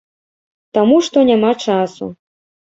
Таму што няма часу.